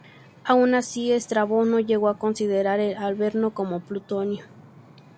Aun así, Estrabón no llegó a considerar el Averno como plutonio.